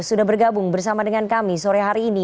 sudah bergabung bersama dengan kami sore hari ini